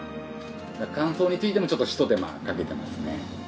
乾燥についてもちょっとひと手間かけていますね。